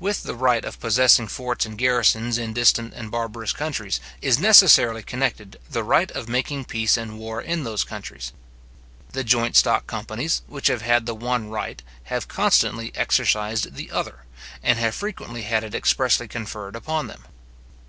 With the right of possessing forts and garrisons in distant and barbarous countries is necessarily connected the right of making peace and war in those countries. The joint stock companies, which have had the one right, have constantly exercised the other, and have frequently had it expressly conferred upon them.